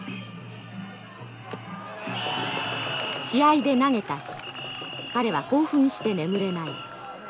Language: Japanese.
試合で投げた日彼は興奮して眠れない。